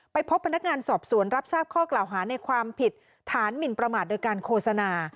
พบพนักงานสอบสวนรับทราบข้อกล่าวหาในความผิดฐานหมินประมาทโดยการโฆษณา